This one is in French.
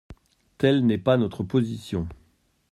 Telle n’est pas notre position.